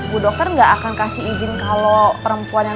bu dokter ga akan kasih izin kalo perempuan yang ada disini jadi tkw